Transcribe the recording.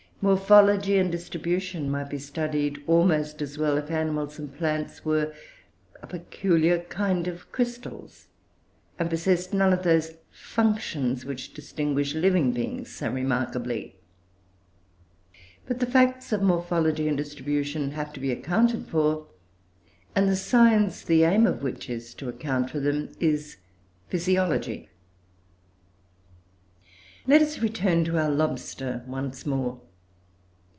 Morphology and distribution might be studied almost as well, if animals and plants were a peculiar kind of crystals, and possessed none of those functions which distinguish living beings so remarkably. But the facts of morphology and distribution have to be accounted for, and the science, the aim of which it is to account for them, is Physiology. Let us return to our lobster once more.